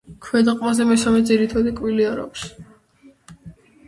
ქვედა ყბაზე მესამე ძირითადი კბილი არ აქვს.